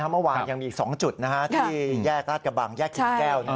เมื่อวานยังมีอีก๒จุดที่แยกราชกระบังแยกกิ่งแก้ว